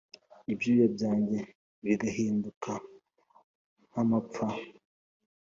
ibyuya byanjye bigahinduka nk'amapfa .